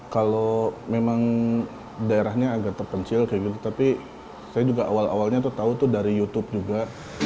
kalau memang daerahnya agak terpencil kayak gitu tapi saya juga awal awalnya tuh tahu tuh dari youtube juga